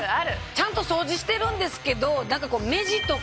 ちゃんと掃除してるんですけど目地とか。